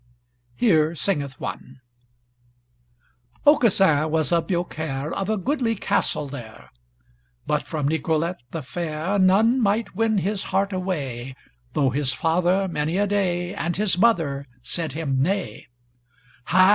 Here singeth one: Aucassin was of Biaucaire Of a goodly castle there, But from Nicolete the fair None might win his heart away Though his father, many a day, And his mother said him nay, "Ha!